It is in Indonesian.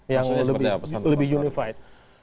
yang lebih unified